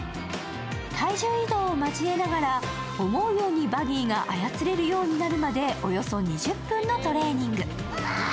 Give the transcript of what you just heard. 体重移動を交えながら思うようにバギーが操れるようになるまでおよそ２０分のトレーニング。